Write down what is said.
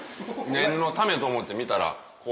念のためと思って見たら。